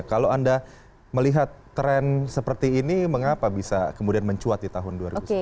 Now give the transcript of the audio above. kalau anda melihat tren seperti ini mengapa bisa kemudian mencuat di tahun dua ribu sembilan belas